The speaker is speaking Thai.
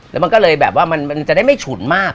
แล้วมันก็เลยแบบว่ามันจะได้ไม่ฉุนมาก